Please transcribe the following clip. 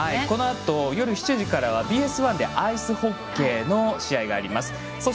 このあと夜７時からはＢＳ１でアイスホッケーの試合があります。